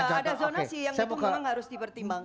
ada zona sih yang itu memang harus dipertimbangkan